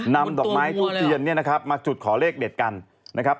นำดอกไม้ทูบเทียนเนี่ยนะครับมาจุดขอเลขเด็ดกันนะครับ